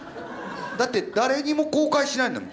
だって誰にも公開しないんだもん。